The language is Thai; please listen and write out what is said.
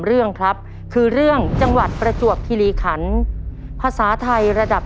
เรื่องครับคือเรื่องจังหวัดประจวบคิริขันภาษาไทยระดับ